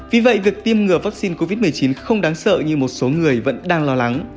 vì vậy việc tiêm ngừa vaccine covid một mươi chín không đáng sợ như một số người vẫn đang lo lắng